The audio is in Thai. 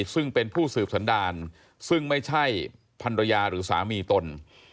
ซึ่งเป็นผู้สืบสันดารซึ่งไม่ใช่พันรยาหรือสามีตน